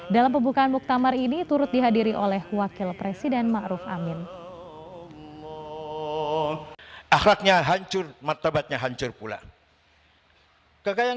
dalam pembukaan muktamar ini turut dihadiri oleh wakil presiden ma'ruf amin